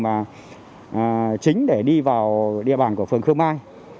mà chính để đi vào địa bàn của phường khơ mai